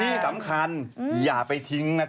ที่สำคัญอย่าไปทิ้งนะครับ